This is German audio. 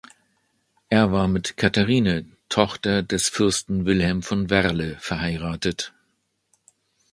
Er war mit Katherine, Tochter des Fürsten Wilhelm von Werle, verheiratet.